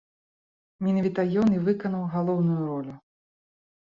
Менавіта ён і выканаў галоўную ролю.